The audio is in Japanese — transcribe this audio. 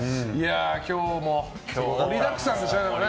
今日も盛りだくさんでしたね。